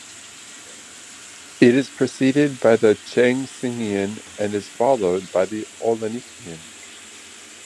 It is preceded by the Changhsingian and is followed by the Olenekian.